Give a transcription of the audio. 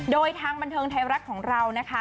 โดยทางบันเทิงไทยรัฐของเรานะคะ